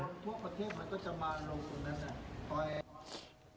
ทั่วประเทศมันก็จะมาลงตรงนั้น